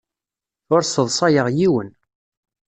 Ur sseḍsayeɣ yiwen.